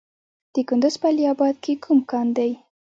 د کندز په علي اباد کې کوم کان دی؟